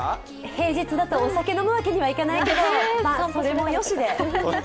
平日だとお酒飲むわけにはいかないけど、それもよしで。